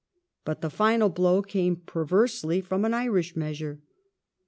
But the final blow Q°"^gjQn| came, pervereely, from an Irish measure.